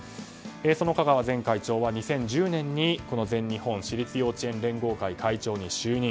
その香川前会長は２０１０年に全日本私立幼稚園連合会会長に就任。